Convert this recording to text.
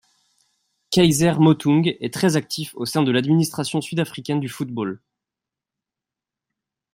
Kaizer Motaung est très actif au sein de l’administration sud-africaine du football.